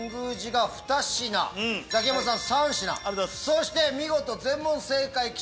そして見事全問正解！